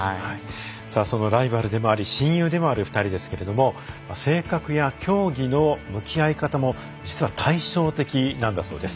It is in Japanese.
ライバルであり親友でもある２人ですけれど性格や競技の向き合い方も実は対照的なんだそうです。